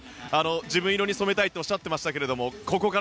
自分色に染めたいとおっしゃっていましたが。